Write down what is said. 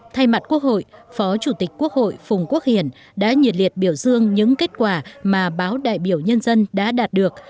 thay mặt quốc hội phó chủ tịch quốc hội phùng quốc hiển đã nhiệt liệt biểu dương những kết quả mà báo đại biểu nhân dân đã đạt được